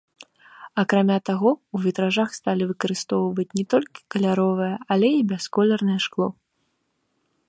Акрамя таго ў вітражах сталі выкарыстоўваць не толькі каляровае, але і бясколернае шкло.